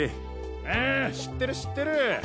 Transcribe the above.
ああ知ってる知ってる！